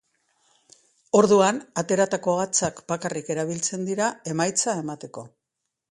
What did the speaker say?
Orduan, ateratako hatzak bakarrik erabiltzen dira emaitza emateko.